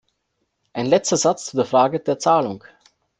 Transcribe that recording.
Ein letzter Satz zu der Frage der Zahlung.